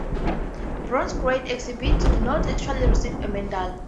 Bronze grade exhibits do not actually receive a medal.